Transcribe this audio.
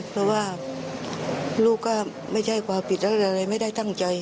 เพราะว่าลูกก็ไม่ใช่ความผิดอะไรไม่ได้ตั้งใจ